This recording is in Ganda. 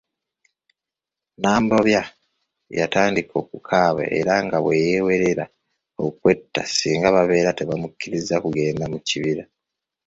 Nambobya yatandika okukaaba era nga bweyeewerera okwetta singa babeera tebamukkiriza kugenda mu kibira.